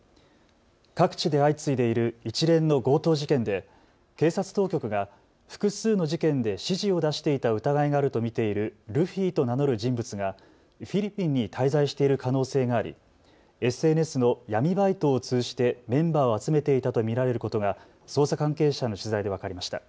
各地で相次いでいる一連の強盗事件で警察当局が複数の事件で指示を出していた疑いがあると見ているルフィと名乗る人物がフィリピンに滞在している可能性がありＳＮＳの闇バイトを通じてメンバーを集めていたと見られることが捜査関係者への取材で分かりました。